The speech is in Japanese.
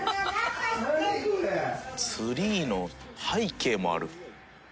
ツリーの背景もある。